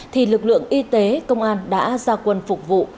thì lực lượng y tế công an đã ra quân phục vụ